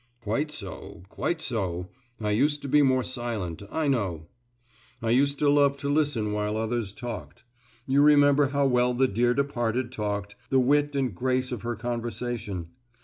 "Quite so, quite so. I used to be more silent, I know. I used to love to listen while others talked. You remember how well the dear departed talked—the wit and grace of her conversation.